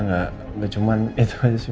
gak gak cuman itu aja sih